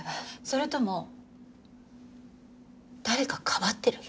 それとも誰かをかばってる？